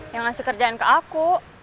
yang ngasih kerjain ke aku